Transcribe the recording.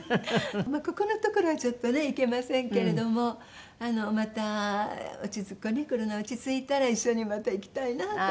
まあここのところはちょっとね行けませんけれどもまた落ち着くコロナ落ち着いたら一緒にまた行きたいなと。